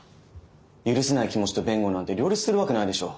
許せない気持ちと弁護なんて両立するわけないでしょ。